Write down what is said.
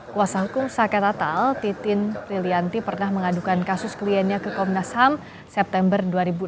kuasa hukum saka natal titin prilianti pernah mengadukan kasus kliennya ke komnas ham september dua ribu enam belas